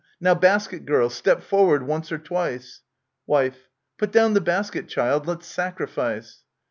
Now, basket girl,* step forward once or twice ! Wife. Put down the basket, child ; let's sacrifice.